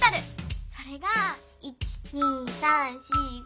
それが１・２・３・４・５。